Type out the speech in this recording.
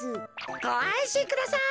ごあんしんください。